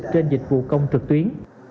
trên dịch vụ công trực tuyến